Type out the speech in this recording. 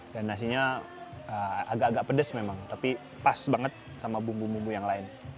dan nasinya agak agak pedes memang tapi pas banget sama bumbu bumbu yang lain